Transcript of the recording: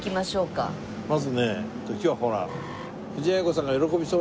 まずね今日ほら。